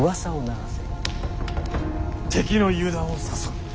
敵の油断を誘う。